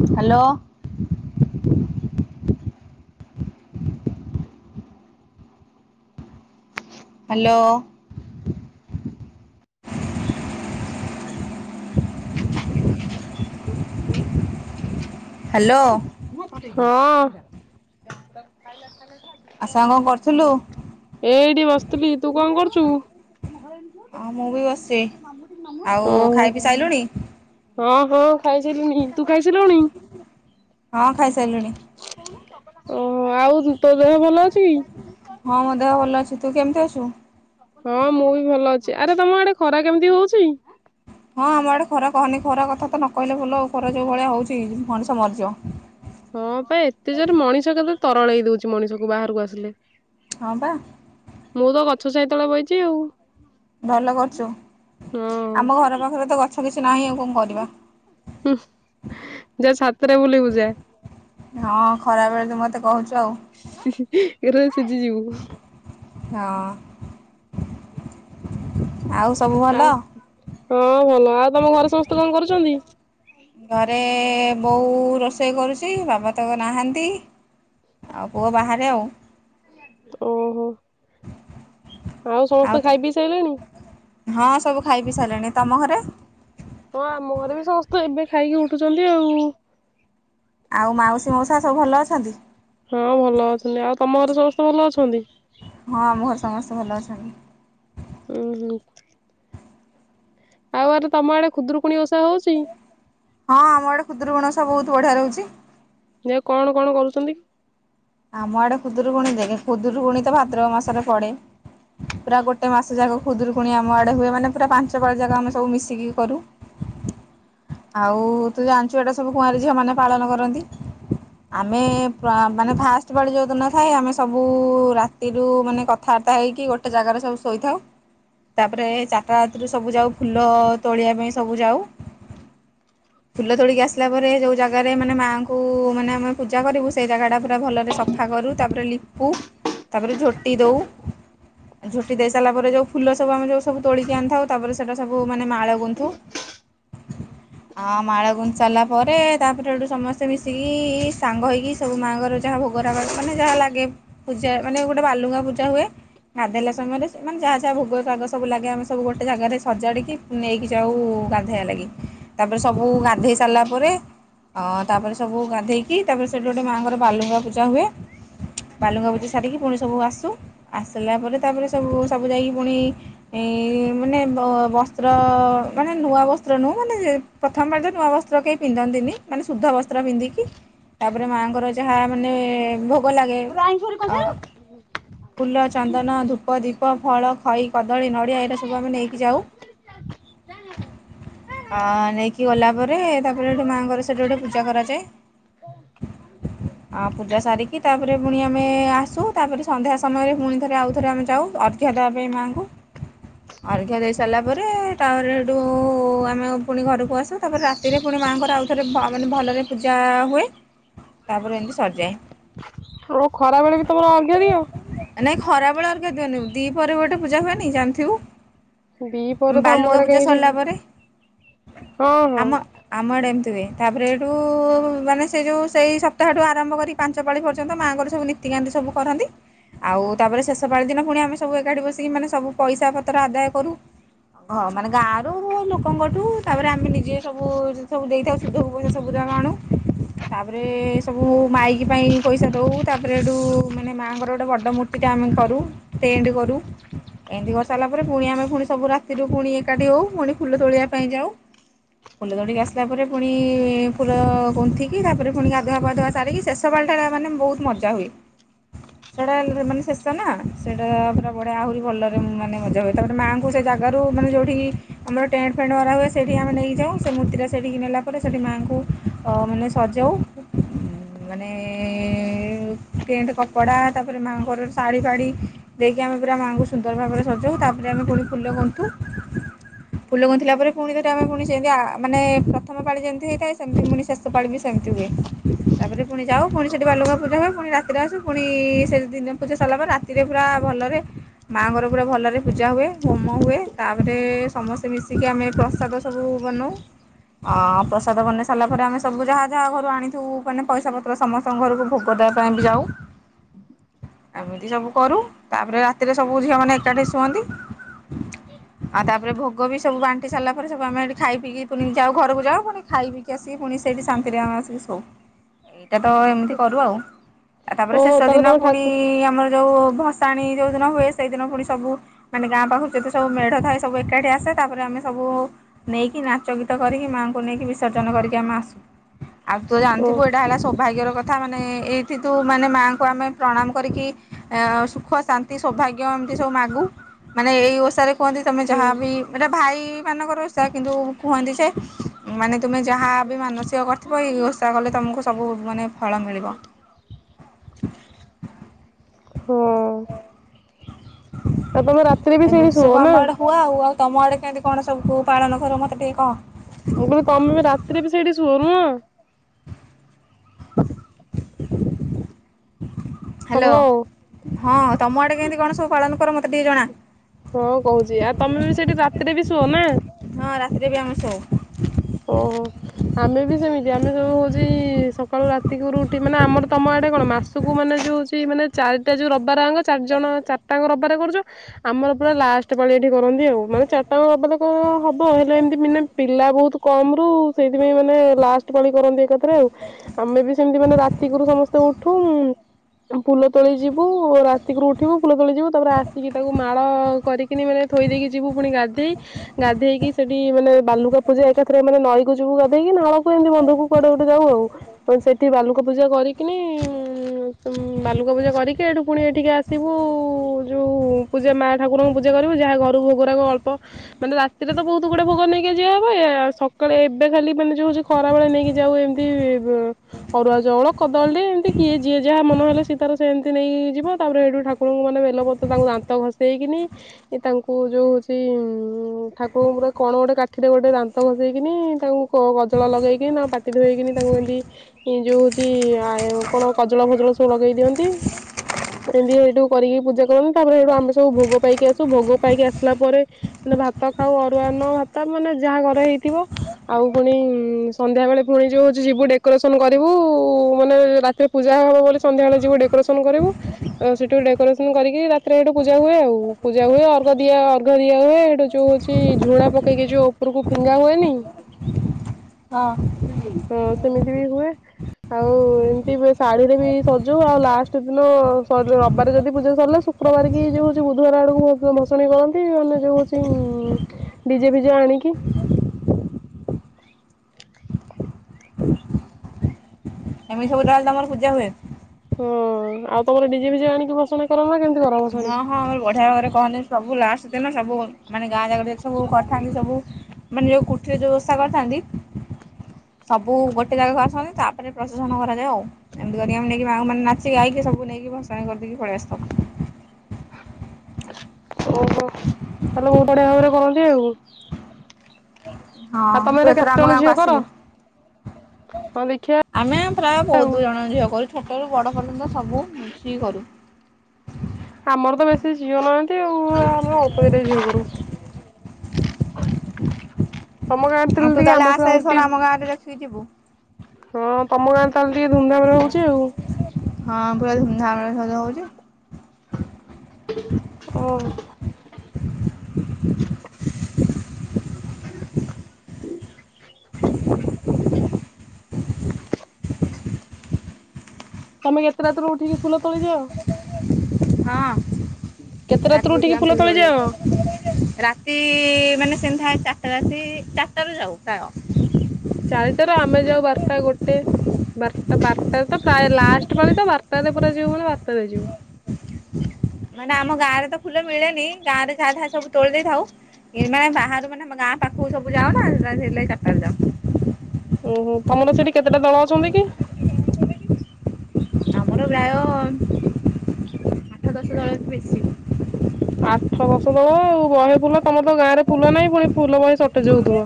[inaudible] Hello. Hello. [inaudible] [inaudible] Hello. ହଁ ଅ। [unintelligible] ଆ ସାଙ୍ଗ କ କରୁଥୁଲୁ? ଏଇଠି ବସିଥିଲି ତୁ କଣ କରୁଛୁ? ଅ ମୁଁ ବି ବସିବି ଆଉ ଖାଇ ପି ସାଇଲୁଣି? ହ ହ ଖାଇସାରିଲିଣି। ତୁ ଖାଇ ସାରିଲୁଣି? ହଁ ଖାଇସାରିଲିଣି। ଓହ ଆଉ ତୋ ଦେହ ଭଲ ଅଛି କି? ହଁ ମୋ ଦେହ ଭଲ ଅଛି। ତୁ କେମିତି ଅଛୁ? ହଁ ମୁଁ ବି ଭଲ ଅଛି। ଆରେ ତମ ଆଡେ ଖରା କେମିତି ହଉଛି? ହଁ ଆମ ଆଡେ ଖରା କହନି ଖରା କଥା ତ ନ କହିଲେ ଭଲ ଆଉ ଖରା ଯୋଉ ଭଳିଆ ହଉଛି ମଣିଷ ମରିଯିବ। ହଁ ପା ଏତେ ଜୋରେ ମଣିଷ କେତେ ତରଳେଇ ଦଉଛି ମଣିଷକୁ ବାହାରକୁ ଆସିଲେ। ହଁ ପା। ମୁଁ ତ ଗଛ ଛାଇ ତଳେ ବଇଚି ଆଉ। ଭଲ କରିଛୁ, ହଁ ଆମ ଘର ପାଖରେ ତ ଗଛ କିଛି ନାହିଁ ଆଉ କଣ କରିବା। ହୁ ଯା ଛାତରେ ବୁଲିବୁ ଯା। ହଁ ଖରା ବେଳେ ତୁ ମୋତେ କହୁଛୁ ଆଉ। ଏକାଥରେ ସିଝିଯିବୁ। ହଁ। ଆଉ ସବୁ ଭଲ? ଆଉ ହଁ ଭଲ। ଆଉ ତମ ଘରେ ସମସ୍ତେ କଣ କରୁଛନ୍ତି? ଘରେ ବୋଉ ରୋଷେଇ କରୁଛି, ବାବା ତ ନାହାନ୍ତି। ଆଉ ପୁଅ ବାହାରେ ଆଉ। ଓହୋ, ଆଉ ସମସ୍ତେ ଖାଇ ପି ସାଇଲେଣି? ହଁ ସବୁ ଖାଇ ପି ସାଇଲେଣି। ତମ ଘରେ? ହଁ ଆମ ଘରେ ବି ସମସ୍ତେ ଏବେ ଖାଇକି ଉଠୁଛନ୍ତି ଆଉ। ଆଉ ମାଉସୀ ମଉସା ସବୁ ଭଲ ଅଛନ୍ତି? ହଁ ଭଲ ଅଛନ୍ତି। ଆଉ ତମ ଘରେ ସମସ୍ତେ ଭଲ ଅଛନ୍ତି? ହଁ ଆମ ଘରେ ସମସ୍ତେ ଭଲ ଅଛନ୍ତି। ଉଁ ହୁଁ। ମୁଁ କହିଲି ତମ ଆଡେ ଖୁଦୁରୁକୁଣି ଓଷା ହଉଛି? ହଁ ଆମ ଆଡେ ଖୁଦୁରୁକୁଣୀ ଓଷା ବହୁତୁ ବଢିଆରେ ହଉଛି। ଯେ କଣ କଣ କରୁଛନ୍ତି? ଆମ ଆଡେ ଖୁଦୁରୁକୁଣୀ ଦେଖେ ଖୁଦୁରୁକୁଣୀ ତ ଭାଦ୍ରବ ମାସରେ ପଡେ। ପୁରା ଗୋଟେ ମାସ ଯାକ ଖୁଦୁରୁକୁଣୀ ଆମ ଆଡେ ହୁଏ। ମାନେ ପୁରା ପାଞ୍ଚପାଳି ଯାକ ଆମେ ସବୁ ମିଶିକି କରୁ। ଆଉ ତୁ ଜାଣିଛୁ ଏଇଟା ସବୁ କୁଆଁରୀ ଝିଅ ମାନେ ପାଳନ କରନ୍ତି। ଆମେ ମାନେ ଫାଷ୍ଟେ ପାଳି ଯେଉଁଦିନ ଥାଏ ଆମେ ସବୁ ରାତି ରାତିରୁ ମାନେ କଥାବାର୍ତ୍ତା ହେଇକି ଗୋଟେ ଜାଗାରେ ସବୁ ଶୋଇଥାଉ। ତାପରେ ଚାରିଟା ରାତିରୁ ସବୁ ଯାଉ ଫୁଲ ତୋଳିବା ପାଇଁ ସବୁ ଯାଉ। ଫୁଲ ତୋଳିକି ଆସିଲା ପରେ ଯଉ ଜାଗାରେ ମାନେ ମାଆଙ୍କୁ ମାନେ ଆମେ ପୂଜା କରିବୁ ସେଇ ଜାଗାଟା ପୁରା ଭଲରେ ସଫା ସଫା କରୁ ତା ପରେ ଲିପୁ ତା ପରେ ଝୋଟି ଦଉ। ଝୋଟି ଦେଇ ସାରିଲା ପରେ ଯୋଉ ଫୁଲସବୁ ଆମେ ଯୋଉ ସବୁ ତୋଳିକି ଆଣିଥାଉ ତାପରେ ସେଟା ସବୁ ମାନେ ମାଳ ଗୁନ୍ଥୁ। ଆ ମାଳ ଗୁନ୍ଥି ସାରିଲା ପରେ ତାପରେ ସେଠୁ ସମସ୍ତେ ମିଶିକି ସାଙ୍ଗ ହେଇକି ସବୁ ମାଆଙ୍କର ଯାହା ଭୋଗରାଗ ମାନେ ଯାହା ଲାଗେ ପୂଜା ମାନେ ଗୋଟେ ବାଲୁଙ୍ଗା ପୂଜା ହୁଏ। ଗାଧେଇଲା ସମୟରେ ସେମାନେ ଯାହା ଯାହା ଭୋଗ ଶାଗ ସବୁ ଲାଗେ ଆମେ ସବୁ ଗୋଟେ ଜାଗାରେ ସଜାଡ଼ିକି ନେଇକି ଯାଉ ଗାଧେଇବା ଲାଗି। ତାପରେ ସବୁ ଗାଧେଇ ସାରିଲା ପରେ ହଁ ତାପରେ ସବୁ ଗାଧୋଇକି ତାପରେ ସେଇଠୁ ଗୋଟେ ମାଆଙ୍କର ବାଲୁଙ୍ଗା ପୂଜା ହୁଏ। ବାଲୁଙ୍ଗା ପୂଜା ସାରିକି ପୁଣି ସବୁ ଆସୁ ଆସିଲା ପରେ ତାପରେ ସବୁ ସବୁ ଯାଇକି ପୁଣି ଏ ମାନେ ବସ୍ତ୍ର ମାନେ ନୂଆ ବସ୍ତ୍ର ନୁହଁ ମାନେ ଯେ ପ୍ରଥମ ପାଳି ତ ନୂଆ ବସ୍ତ୍ର କେହି ପିନ୍ଧନ୍ତିନି ମାନେ ଶୁଦ୍ଧ ବସ୍ତ୍ର ପିନ୍ଧିକି ତାପରେ ମାଆଙ୍କର ଯାହା ମାନେ ଭୋଗ ଲାଗେ ଅ ଫୁଲ, ଚନ୍ଦନ, ଧୂପ, ଦୀପ, ଫଳ, ଖଇ, କଦଳୀ, ନଡ଼ିଆ ଏଇଟା ସବୁ ଆମେ ନେଇକି ଯାଉ। ହଁ। ନେଇକି ଗଲା ପରେ ତାପରେ ଗୋଟେ ମାଆଙ୍କର ସେଇଠି ଗୋଟେ ପୂଜା କରାଯାଏ। ଆ ପୂଜା ସାରିକି ତାପରେ ପୁଣି ଆମେ ଆସୁ, ତାପରେ ସନ୍ଧ୍ୟା ସମୟରେ ପୁଣି ଥରେ ଆଉଥରେ ଆମେ ଯାଉ ଅର୍ଘ୍ୟ ଦେବା ପାଇଁ ମାଆଙ୍କୁ। ଅର୍ଘ୍ୟ ଦେଇ ସାରିଲା ପରେ ତାପରେ ହେଠୁ ଆମେ ପୁଣି ଘରକୁ ଆସୁ, ତାପରେ ରାତିରେ ପୁଣି ମାଆଙ୍କର ଆଉଥରେ ମାନେ ଭଲରେ ପୂଜା ହୁଏ। ତାପରେ ଏମିତି ସରିଯାଏ। ଆଉ ଖରା ବେଳେ ବି ତମର ଅର୍ଘ୍ୟ ଦିଅ? ନାଇଁ ଖରା ବେଳେ ଅର୍ଘ୍ୟ ଦିଉନି ଦି ପହରେ ଗୋଟେ ପୂଜା ହୁଏନି ଜାଣିଥିବୁ। ଦି ପରେ ତ ଆମ ବାଲୁକା ଆଡେ ପୂଜା କାହିଁକି ସରିଲା ସେମିତି ପରେ ହଁ ହଁ ଆମ ଆମଡେ ଏମିତି ହୁଏ ତାପରେ ଏଇଠୁ ମାନେ ସେ ଯୋଉ ସେଇ ସପ୍ତାହଠୁ ଆରମ୍ଭ କରିକି ପାଞ୍ଚ ପାାଳି ପର୍ଯ୍ୟନ୍ତ ମାଆଙ୍କର ସବୁ ନୀତିକାନ୍ତି ସବୁ କରନ୍ତି। ଆଉ ତାପରେ ଶେଷ ପାଳି ଦିନ ପୁଣି ଆମେ ସବୁ ଏକାଠି ବସିକି ମାନେ ସବୁ ପଇସା ପତ୍ର ଆଦାୟ କରୁ। ହଁ ମାନେ ଗାଁ ରୁ ଲୋକଙ୍କଠୁ। ତାପରେ ଆମେ ନିଜେ ସବୁ ସବୁ ଦେଇଥାଉ ସୁଧକୁୁ ପଇସା ସବୁ ଦେବା ଆଣୁ ତାପରେ ସବୁ ମାଇକି ପାଇଁ ପଇସା ଦଉ ତାପରେ ଏଠୁ ମାନେ ମାଆଙ୍କର ଗୋଟେ ବଡ ମୂର୍ତି ଟା ଆମେ କରୁ ତେଣ୍ଡ କରୁ ଏମିତି କରିସାରିଲା ପରେ ପୁଣି ଆମେ ପୁଣି ସବୁ ରାତିରୁ ପୁଣି ଏକାଠି ହଉ ପୁଣି ଫୁଲ ତୋଳିବା ପାଇଁ ଯାଉ ଫୁଲ ତୋଳିକି ଆସିଲା ପରେ ପୁଣି ଫୁଲ ଗୁନ୍ଥିକି ତାପରେ ପୁଣି ଗାଧୁଆ ପାଧୁଆ ସାରିକି ସେ ଶେଷ ପାଳି ଟା ମାନେ ବହୁତ୍ ମଜା ହୁଏ। ସେଟା ମାନେ ଶେଷ ନା ସେଇଟା ପୁରା ପଡେ ଆହୁରି ଭଲରେ ମାନେ ମଜା ହୁଏ ତାପରେ ମାଆଙ୍କୁ ସେଜାଗା ଗାରୁ ମାନେ ଯୋଉଠିକି ଆମର ଟେଣ୍ଟ ଫେଣ୍ଟ ମରା ହୁଏ ସେଇଠି ଆମେ ନେଇକିଯାଉ ସେ ମୂର୍ତ୍ତିଟା ସେଇଠିକି ନେଲା ପରେ ସେଇଠି ମାଆଙ୍କୁ ମାନେ ସଜାଉ ମାନେ ଟେଣ୍ଟ କପଡ଼ା ତାପରେ ମାଙ୍କର ଶାଢୀ ଫାଢ଼ୀ ଦେଇକି ଆମେ ପୁରା ମାଆଙ୍କୁ ସୁନ୍ଦର ଭାବରେ ସଜାଉ ତାପରେ ଆମେ ଫୁଣି ଫୁଲ ଗୁନ୍ଥୁ। ଫୁଲ ଗୁନ୍ଥିଥିଲା ପରେ ପୁଣିଥରେ ଆମେ ପୁଣି ସେମତି ମାନେ ପ୍ରଥମ ପାଳି ଯେମିତି ହେଇଥାଏ ସେମତି ପୁଣି ଶେଷ ପାଳି ବି ସେମିତି ହୁଏ। ତାପରେ ପୁଣି ଯାଉ ପୁଣି ସେଠି ବାଲୁକା ପୂଜା ହୁଏ ପୁଣି ରାତିରେ ଆସୁ ପୁଣି ସେ ଦିନ ପୂଜା ସାରିଲା ପରେ ରାତି ରାତିରେ ପୁରା ଭଲରେ ମାଙ୍କର ପୁରା ଭଲରେ ପୂଜା ହୁଏ ହୋମ ହୁଏ ତାପରେ ସମସ୍ତେ ମିଶିକି ଆମେ ପ୍ରସାଦ ସବୁ ବନଉ। ଆ ପ୍ରସାଦ ବନେଇ ସାରିଲା ପରେ ଆମେ ସବୁ ଯାହା ଯାହା ଘରୁ ଆଣିଥିବୁ ମାନେ ପଇସା ପତ୍ର ସମ ସ୍ତତଙ୍କ ଘରକୁ ଭୋଗ ଦେବା ପାଇଁ ବି ଯାଉ। ଏମିତି ସବୁ କରୁ ତାପରେ ରାତିରେ ସବୁ ଝିଅ ମାନେ ଏକାଠି ଶୁଅନ୍ତି। ଆଉ ତାପରେ ଭୋଗ ବି ସବୁ ବା ବାଣ୍ଟି ସାରିଲା ପରେ ସବୁ ଆମେ ଖାଇ ପିଇକି ପୁଣି ଯାଉ ଘରକୁ ଯାଉ ପୁଣି ଖାଇ ପିକି ଆସିକି ପୁଣି ସେଠି ଶାନ୍ତିରେ ଆସିକି ଶୋଉ। ଏଇଟା ତ ଏମିତି କରୁ ଆଉ ଆଉ ଓ ତାପରେ ଶେଷ ତାହେଲେ ଦିନ ତମେ ପୁଣି ଠାକୁ ଆମର ଯୋଉ ଭସାଣି ଯୋଉଦିନ ହୁଏ ସେଇଦିନ ପୁଣି ସବୁ ମାନେ ଗାଁ ପାଖକୁ ଯତେ ସବୁ ମେଢ ଥାଏ ସବୁ ଏକାଠି ଆସେ ତାପରେ ଆମେ ସବୁ ନେଇକି ନାଚ ଗୀତ କରିକି ମାଆଙ୍କୁ ନେଇକି ବିସର୍ଜନ କରିକି ଆମେ ଆସୁ। ଆଉ ତୁତ ଓ ଜାଣିଥିବୁ ଏଇଟା ହେଲା ସୌଭାଗ୍ୟର କଥା କଥା ମାନେ ଏଇଠି ତୁ ମାନେ ମାଆଙ୍କୁ ଆମେ ପ୍ରଣାମ କରିକି ଆ ସୁଖ ଶାନ୍ତି ସୌଭାଗ୍ୟ ଏମିତି ସବୁ ମାଗୁ। ମାନେ ଏଇ ଓଷାରେ କୁହନ୍ତି ତମେ ହୁଁ ଯାହାବି ଏଟା ଭାଇ ମାନଙ୍କର ଓଷା କିନ୍ତୁ କୁହନ୍ତି ଯେ ମାନେ ତୁମେ ଯାହା ବି ମାନସିକ କରିଥିବ ଏଇ ଓଷା ତାକଲେ ତୁମକୁ ସବୁ ମାନେ ଫଳ ମିଳିବ। ହଁ ହ ଆପଣ ରାତିରେ ବି ସେଇଠି ଶୁଅ ନା। କୁଆ ଆଉ ଆଉ ତମ ଆଡ଼େ କେମିତି କଣ ସବୁ କୁ ପାଳନ କର ମତେ ଟିକେ କହ। ମୁଁ କହିଲି ତମେ ରାତିରେ ବି ସେଇଠି ଶୁଅ ନୁହଁ। ହାଲୋ ହ୍ୟାଲୋ ହଁ ତମ ଆଡେ କେମିତି କଣ ସବୁ ପାଳନ କର ମତେ ଟିକେ ଜଣା ହଁ କହୁଛି ଆଉ ତମେ ବି ସେଇଠି ରାତିରେ ବି ଶୁଅ ନା। ହଁ ରାତିରେ ବି ଆମେ ଶୋଉ। ଓହୋ ଆମେ ବି ସେମିତି ଆମେ ସବୁ ହଉଛି ସକାଳୁ ରାତିକରୁ ଉଠି ମାନେ ଆମର ତମ ଆଡ଼େ କଣ ମାସକୁ ମାନେ ଯଉ ହଉଛି ମାନେ ଚାରିଟା ଯଉ ରବିବାର ଆଙ୍କ ଚାରିଜଣ ଚାରିଟାଙ୍କ ରବିବାର କରୁଛ। ଆମର ପୁରା ଲାଷ୍ଟ ପାଳି ଏଠି କରନ୍ତି ଆଉ ମାନେ ଚାରିଟା ବଳଳେଦ ହବ ହେଲେ ଏମିତି ମେ ପିଲା ବହୁତ। କମରୁ ସେଇଥିପାଇଁ ମାନେ ଲାଷ୍ଟ ପାଳି କରନ୍ତି ଏକାଥରେ ଆଉ। ଆମେ ବି ସେମତି ମାନେ ରାତିକରୁ ସମସ୍ତେ ଉଠୁ। ଫୁଲ ତୋଳି ଯିବୁ ରାତିକରୁ ଉଠିବୁ ଫୁଲ ତୋଳି ଯିବୁ ତାପରେ ଆସିକି ତାକୁ ମାଳ କରି ମାନେ ଥୋଇ ଦେଇକି ଯିବୁ ପୁଣି ଗାଧେଇ। ଗାଧେଇକି ସେଠି ମାନେ ବାଲୁକା ପୂଜା ଏକାଥରେ ମାନେ ନଈକୁ ଯିବୁ ଗାଧେଇକି ନାଳକୁ ଏମିତି ବନ୍ଧକୁ କୁଆଡେ ଗୋଟେ ଯାଉ ଆଉ। ପୁଣି ସେଠି ବାଲୁକା ପୂଜା କରିକିନି [unintelligible] ବାଲୁକା ପୂଜା କରିକି ଏଠୁ ପୁଣି ଏଠି ଆସ ସିବୁ ଯଉ ପୂଜା ମା ଠାକୁରଙ୍କୁ ପୂଜା କରିବୁ ଯାହା ଘରୁକୁ ଭୋଗରାଗ ଅଳ୍ପ। ମାନେ ରାତିରେ ତ ବହୁତ ଗୁଡେ ଭୋଗ ନେଇକି ଯିଆ ହବ ଇ ସକାଳେ ଏବେ ଖାଲି ମାନେ ଯୋଉ ହଉଛି ଖରା ବେଳେ ନେଇକି ଯାଉ ଏମିତି ଅରୁଆ ଚାଉଳ କଦଳୀଟି ଏମିତି କିଏ ଯିଏ ଯାହା ମନ ହେଲେ ସିଏ ତାର ସେମିତି ନେଇ କିଯିବ ତାପରେ ଏଇଠୁ ଠାକୁ ଠାକୁରଙ୍କୁ ମାନେ ବେଲପତ୍ର ତାକୁ ଦାନ୍ତ ଘଷେଇକିନି। ଏ ତାଙ୍କୁ ଯୋଉ ହଉଛି ଉ ଠାକୁରଙ୍କୁ ପୁରା କଣ ଗୋଟେ କାଠିରେ ଗୋଟେ ଦାନ ଦାନ୍ତ ଘଷେଇକିନି ତାଙ୍କୁ କଜଳ ଲଗାଇକିନି ପାଟି ଧୋଇକିନି ତାଙ୍କୁ ଏମିତି। ଏଇ ଯୋଉ ହଉଛି ଆ କଣ କଜଳ ଫଜଳ ସବୁ ଲଗେଇ ଦିଅନ୍ତି। ଏମିତି ସେଇଠୁ କରିକି ପୂଜା କରନ୍ତି। ତାପରେ ହେଇଠୁ ଆମେ ସବୁ ଭୋଗ ପାଇକି ଆସୁ ଭୋଗ ପାଇକି ଆସିଲା ପରେ। ମାନେ ଭାତ ଖାଉ ଅରୁଆ ଅନ୍ନ ଭାତ ମାନେ ଯାହା ଘରେ ହେଇଥିବ। ଆଉ ପୁଣି ସନ୍ଧ୍ୟା ବେଳେ ପୁଣି ଯଉ ହଉଛି ଯିବୁ ଡେକୋରେସନ କରିବୁ। ମାନେ ରାତିରେ ପୂଜା ହବ ବୋଲି ସନ୍ଧ୍ୟାବେଳେ ଯିବୁ ଡେକୋରେସନ୍ କରିବୁ। ଆ ସେଠୁ ଡେକୋରେସନ କରିକି ରାତିରେ ଏଠୁ ପୂଜା ହୁଏ ଆଉ। ପୂଜା ହୁଏ ଅର୍ଘ ଦିଆ ଅର୍ଘ ଦିଆ ହୁଏ ସେଠୁ ଯୋଉ ହଉଛି ଝୁଣା ପକେଇକି ଯୋଉ ଉପରକୁ ଫିଙ୍ଗା ହୁଏନି? [inaudible] ହଁ। ହଁ ସେମିିତି ବି ହୁଏ। ଆଉ ଏମିତି ଶାଢୀରେ ବି ସଜଉ ଆଉ ଲାଷ୍ଟ ଦିନ ରବିବାର ଯଦି ପୂଜା ସରିଲା ଶୁ ଶୁକ୍ରବାରକି ଯୋଉ ହଉଛି ବୁଧବାର ଆଡକୁ ଭସାଣି କରନ୍ତି ମାନେ ଯୋଉ ହଉଛି। ଉ ଡିଜେ ଫିଜେ ଆଣିକି। ଏମିତି ସବୁ ତାହେଲେ ତମର ପୂଜା ହୁଏ? ହଁ। ଆଉ ତମର ଡ଼ିଜେ ଫିଜେ ଆଣିକି ଭସଣା କର ନା କେମିତି କର। ଭସାଣି? ହଁ ହଁ ଆମର ବଢିଆ ଭାବରେ କହନି ସବୁ ଲାଷ୍ଟ ଦିନ ସବୁ ମାନେ ଗାଁ ଜାକ ସବୁ କରିଥାନ୍ତି ସବୁ। ମାନେ ଯୋଉ କୁଠିରେ ଯୋଉ ବ୍ୟବସ୍ଥା କରିଥାନ୍ତି। ସବୁ ଗୋଟେ ଜାଗାକୁ ଆସନ୍ତି ତାପରେ ପ୍ରଶେସନ କରାଯାଏ ଆଉ। ଏମିତି କରିକି ନେଇକି ମାଁକୁ ମାନେ ନାଚି ଗାଇକି ସବୁ ନେଇକି ଭସାଣି କରି ଦେଇକି ପଳେଇ ଆସିଥାଉ। ଓହୋ ତାହେଲେ ବହୁତ୍ ବଢିଆ ଭାବରେ କରନ୍ତି ଆଉ। ଆଉ ହଁ। ତମେ ତୁ ଏରା ଏଥର କେତେ ଆମ ଜଣ ଗାଁକୁ ଝିଅ କର ଆସିବୁ? ହଁ ଦେଖିବା [inaudible] ଆମେ ପ୍ରାୟ ଆଉ। ବହୁତ ଜଣ ଝିଅକରୁ ଛୋଟରୁ ବଡ଼ ପର୍ଯ୍ୟନ୍ତ ସବୁ ମିଶିକି କରୁ। ଆମର ତ ବେଶୀ ଝିଅ ନାହାନ୍ତି ଆଉ ଆମେ ଅଳ୍ପ କେଇ ଝିଅ କରୁ। ତମ ଗାଁରେ [inaudible] ଆଉ ତୁ ଟିକେ ତାହେଲେ ଆମଠୁ ଆସେ ଆହୁରି ଏଥର ଟିକେ ଆମ ଗାଁରେ ଦେଖିକି ଯିବୁ। ହଁ ତମ ଗାଁରେ ତାହେଲେ ଟିକେ ଧୁମଧାମରେ ରହୁଛି ଆଉ। ହଁ ପୁରା ଧୁମଧାମରେ ହଉଛି। [unintelligible] ଓ ହୁଁ ତମେ କେତେ ରାତିରୁ ଉଠିକି ଫୁଲ ତୋଳି ଯାଅ? ହଁ ରାତିରୁ ଉଠି ଆମ ଫୁଲ ତୋଳି ଯାଉ। ରାତି ମାନେ ସେନ୍ତି ଥାଏ ଚାରିଟା ରାତି ଚାରିଟାରୁ ଯାଉ ପ୍ରାୟ। ଚାରଟାରୁ ଆମେ ଯାଉ ବାରଟା ଗୋଟେ ବାରଟା ବାର ତ ପ୍ରାୟ ଲାଷ୍ଟ ପାଳି ତ ବାରଟାରେ ପୁରା ଯିବୁ ମାନେ ବାରଟାରେ ଯିବୁ। ମାନେ ଆମ ଗାଁରେ ତ ଫୁଲ ମିଳେନି ଗାଁ ରେ ଗାଧା ସବୁ ତୋଳି ଦେଇଥାଉ। ମାନେ ବାହାରୁ ମାନେ ଗାଁ ପାଖକୁ ସବୁ ଯାଉ ନା ସେଥିଲାଗି ଚାରିଟାରେ ଯାଉ। ଓହୋ ତମର ସେଇଠି କେତେଟା ଦଳ ଅଛନ୍ତି କି? ଆମର ପ୍ରାୟ ଆଠ ଦଶ ଦଳକୁ ବେଶୀ। ଆଠ ଦଶ ଦଳ ଆଉ ବହେ ଫୁଲ ତମର ତ ଗାଁ ରେ ଫୁଲ ନାହିଁ ପୁଣି ଫୁଲ ପୁଣି ସଟେଜ ହଉଥିବ।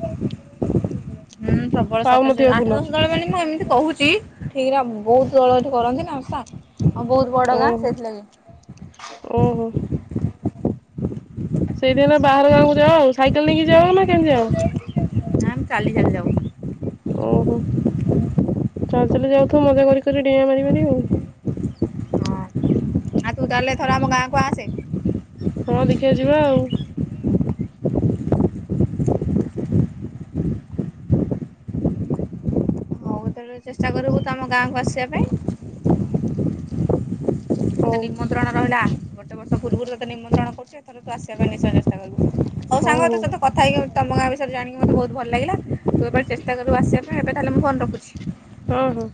ହୁଁ ପ୍ରବଳ ସଟେଜ ପାଉନଥିବ ଆଠ ଫୁଲ ଦଶ ଦଳ ମାନେ ମୁଁ ଏମିତି କହୁଛି ଠିକ ବହୁତ ଦଳ ଏଠି କରନ୍ତି। ଆଉ ବହୁତ ବଡ ଗାଁ ଓହୋ ସେଥିଲାଗି। ଓହୋ। ସେଇଦିନ ବାହାର ଗାଁକୁ ଯାଉ ଆଉ ସାଇକେଲ ନେଇକି ଯାଅ ନା କେମିତି ଯାଅ। ନା ଆମେ ଚାଲି ଚାଲି ଯାଉ। ଓହୋ ଚାଲି ଚାଲି ଯାଉଥିବ ମଜା କରି କରି ଡିଆଁ ମାରି ମାରି ଆଉ। ହଁ ଆଉ ତୁ ତାହେଲେ ଏଥର ଆମ ଗାଁକୁ ଆସେ। ହଁ ଦେଖିବା ଯିବା ଆଉ। [unintelligible] ଚେଷ୍ଟା କରିବୁ ତୁ ଆମ ଗାଁକୁ ଆସିବା ପାଇଁ। ତତେ ହଉ ନିମନ୍ତ୍ରଣ ରହିଲା। ଗୋଟେ ବର୍ଷ ପୂର୍ବରୁ ତତେ ନିମନ୍ତ୍ରଣ କରୁଛ ଏଥର ତୁ ଆସ ସେ ପାଇଁ ନିଶ୍ଚୟ ଚେଷ୍ଟା କରୁ ହଉ ସାଙ୍ଗ ତ ସତ କଥା ହେଇକି ତମ ଗାଁ ବିଷୟରେ ଜାଣିକି ମତେ ବହୁତ ଭଲ ଲାଗିଲା। ତୁ ଏବେ ଚେଷ୍ଟା କରିବୁ ଆସିବା ପାଇଁ ଏବେ ତାହେଲେ ମୁଁ ଫୋନ୍ ରଖୁଛି। ହଁ ହଁ।